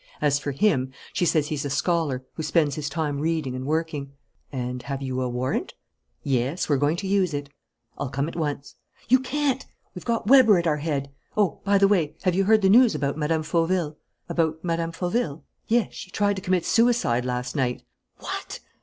As for him, she says he's a scholar, who spends his time reading and working." "And have you a warrant?" "Yes, we're going to use it." "I'll come at once." "You can't! We've got Weber at our head. Oh, by the way, have you heard the news about Mme. Fauville?" "About Mme. Fauville?" "Yes, she tried to commit suicide last night." "What!